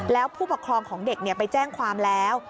แล้วผู้ปกครองของเด็กไปแจ้งความแล้ว